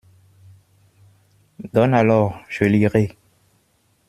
Donne, alors ! je lirai.